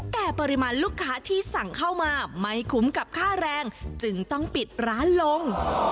แต่ปริมาณลูกค้าที่สั่งเข้ามาไม่คุ้มกับค่าแรงจึงต้องปิดร้านลง